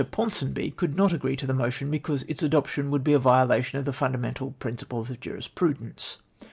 Ponsonby would not agree to the motion be cause its adoption would be a violation of the funda mental principles of jurisprudence.